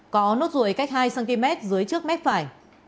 có nốt ruồi cách hai cm dưới trước mép phải